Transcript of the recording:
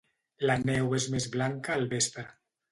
La neu és més blanca al vespre